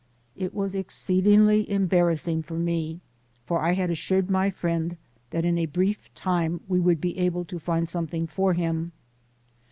It was exceedingly embarrassing for me, for I had assured my friend that in a brief 'time we would be able to find something for him.